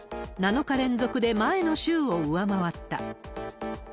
７日連続で前の週を上回った。